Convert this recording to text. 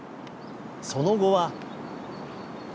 その後は。